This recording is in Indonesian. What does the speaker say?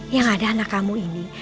yang ada anak kamu ini